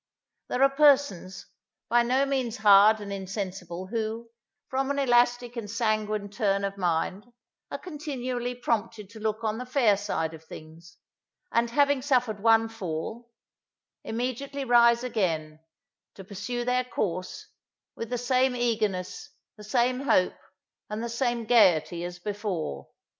There are persons, by no means hard and insensible, who, from an elastic and sanguine turn of mind, are continually prompted to look on the fair side of things, and, having suffered one fall, immediately rise again, to pursue their course, with the same eagerness, the same hope, and the same gaiety, as before.